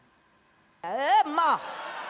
tidak mau tidak mau